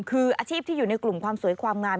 คืออาชีพที่อยู่ในกลุ่มความสวยความงาม